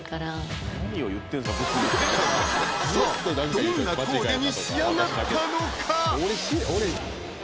どんなコーデに仕上がったのか？